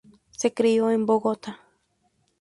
Se crio en Bogotá.